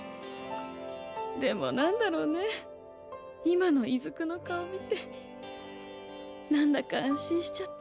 でもなんだろうね今の出久の顔見てなんだか安心しちゃった。